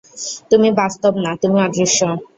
তুমি বাস্তব না, তুমি অদৃশ্য।